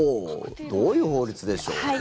どういう法律でしょう？